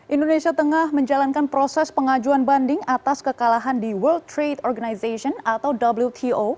indonesia tengah menjalankan proses pengajuan banding atas kekalahan di world trade organization atau wto